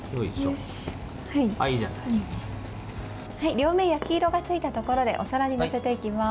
両面焼き色がついたところでお皿に載せていきます。